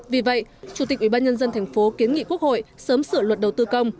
vì vậy chủ tịch ủy ban nhân dân thành phố kiến nghị quốc hội sớm sửa luật đầu tư công